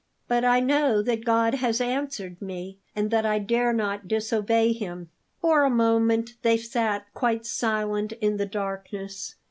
But I know that God has answered me, and that I dare not disobey Him." For a moment they sat quite silent in the darkness.